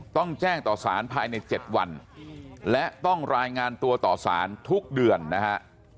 ต้องแจ้งต่อสารภายใน๗วันและต้องรายงานตัวต่อสารทุกเดือนนะฮะ